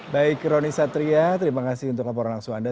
baik roni satria terima kasih untuk laporan langsung anda